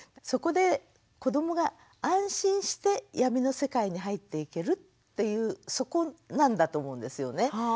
そこで子どもが安心して闇の世界に入っていけるっていうそこなんだと思うんですよね。